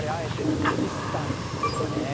やっぱりあえてパキスタンですね。